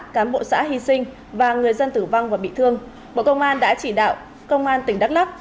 cán bộ xã hy sinh và người dân tử vong và bị thương bộ công an đã chỉ đạo công an tỉnh đắk lắc